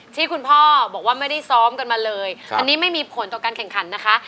ที่คุณพ่อบอกว่าไม่ได้ซ้อมกันมาเลยอันนี้ไม่มีผลต่อการแข่งขันนะคะ